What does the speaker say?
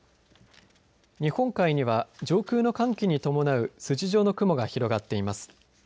日本海には上空の寒気に伴う筋状の雲が広がっています。